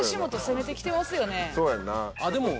そうやんな。